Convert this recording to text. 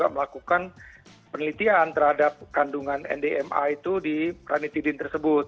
melakukan penelitian terhadap kandungan ndma itu di ranitidin tersebut